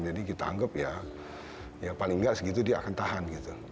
jadi kita anggap ya paling nggak segitu dia akan tahan gitu